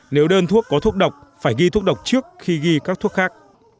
nếu đơn thuốc có thuốc độc phải ghi thuốc độc trước khi ghi các thuốc khác